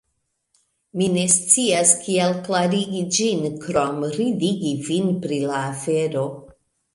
Mi ne scias kiel klarigi ĝin krom ridigi vin pri la afero